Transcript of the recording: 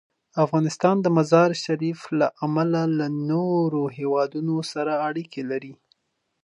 افغانستان د مزارشریف له امله له نورو هېوادونو سره اړیکې لري.